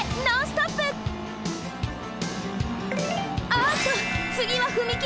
あっとつぎは踏切！